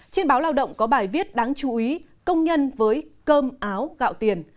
trên báo lao động có bài viết đáng chú ý công nhân với cơm áo gạo tiền